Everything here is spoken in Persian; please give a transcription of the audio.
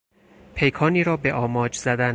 پیکانی را به آماج زدن